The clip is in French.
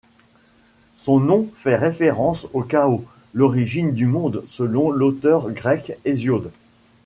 Son nom fait référence au Chaos, l'origine du monde selon l'auteur grec Hésiode.